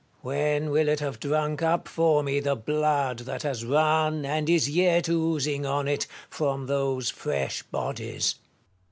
When will it have drunk up for me the blood that has run, and is yet oozing on it, from those fresh bodies ! Metellus.